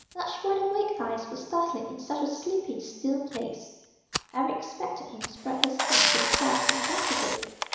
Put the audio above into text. Such wide awake eyes were startling in such a sleepy, still place. Eric expected him to spread his wings in a flash and dart away.